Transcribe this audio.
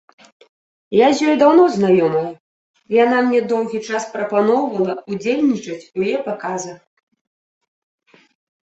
Я з ёй даўно знаёмая, яна мне доўгі час прапаноўвала ўдзельнічаць у яе паказах.